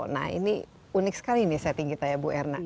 nah ini unik sekali ini setting kita ya bu erna